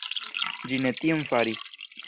Ĝi ne tion faris.